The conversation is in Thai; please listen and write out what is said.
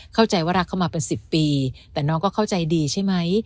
เข้าใจว่ารักเข้ามาเป็น๑๐ปีแต่น้องก็เข้าใจดีใช่ไหม